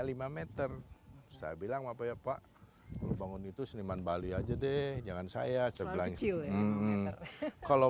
lima meter saya bilang apa ya pak bangun itu seniman bali aja deh jangan saya bilang kalau